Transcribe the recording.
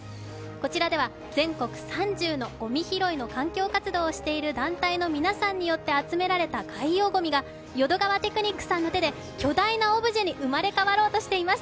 こちらでは全国３０のごみ拾いの活動をしている団体が集めた海洋ごみが淀川テクニックさんの手で巨大なオブジェに生まれ変わろうとしています。